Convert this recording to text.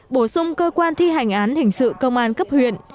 bổ sung cơ quan thi hành án hình sự công an cấp huyện